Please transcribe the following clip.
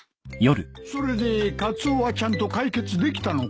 それでカツオはちゃんと解決できたのか？